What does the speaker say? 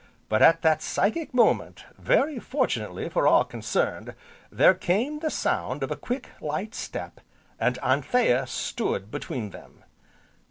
But, at that psychic moment, very fortunately for all concerned, there came the sound of a quick, light step, and Anthea stood between them.